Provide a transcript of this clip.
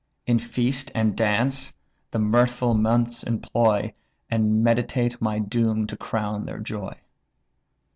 In feast and dance the mirthful months employ, And meditate my doom to crown their joy."